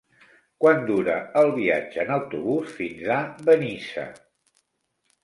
Quant dura el viatge en autobús fins a Benissa?